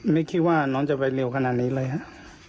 ไม่คิดว่าน้องจะไปเร็วขนาดนี้เลยครับ